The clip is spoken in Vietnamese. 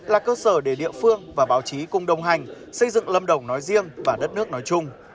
là cơ sở để địa phương và báo chí cùng đồng hành xây dựng lâm đồng nói riêng và đất nước nói chung